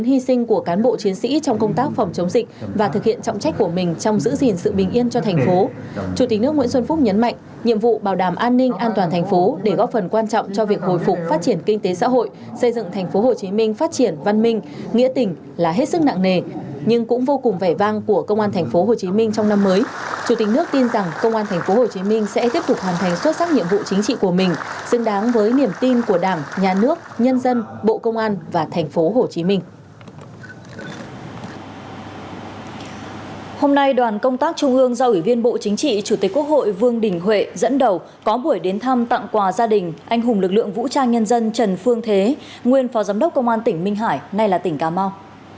hôm nay đoàn công tác trung ương do ủy viên bộ chính trị chủ tịch quốc hội vương đình huệ dẫn đầu có buổi đến thăm tặng quà gia đình anh hùng lực lượng vũ trang nhân dân trần phương thế nguyên phó giám đốc công an tỉnh minh hải nay là tỉnh cà mau